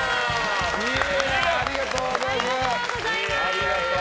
ありがとうございます。